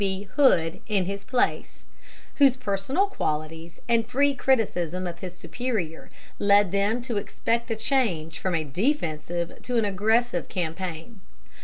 B. Hood, in his place; whose personal qualities and free criticism of his superior led them to expect a change from a defensive to an aggressive campaign.